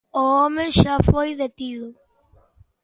O home xa foi detido.